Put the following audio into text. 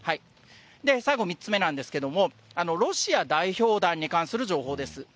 最後３つ目なんですけど、ロシア代表団に関する情報です。